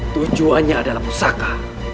tujuannya adalah pusaka